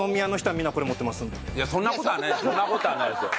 そんな事はないですよ。